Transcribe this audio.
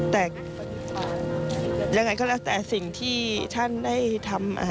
แต่ยังไงก็แล้วแต่สิ่งที่ท่านได้ทำ